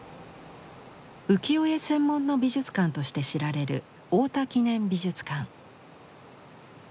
浮世絵専門の美術館として知られる太田記念美術館。